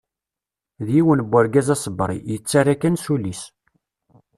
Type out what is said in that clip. D yiwen n urgaz asebri, yettarra kan s ul-is.